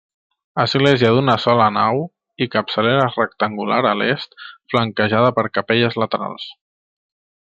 Església d'una sola nau i capçalera rectangular a l'est, flanquejada per capelles laterals.